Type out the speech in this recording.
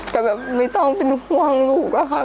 ก็แบบไม่ต้องเป็นห่วงลูกอะค่ะ